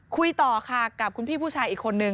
คุยต่อค่ะกับคุณพี่ผู้ชายอีกคนนึง